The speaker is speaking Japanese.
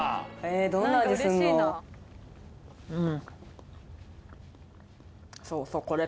どんな味すんの？